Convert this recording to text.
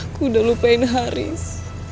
aku udah lupain haris